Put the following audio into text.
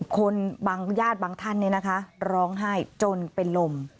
คนบางญาติบางท่านร้องไห้จนเป็นลม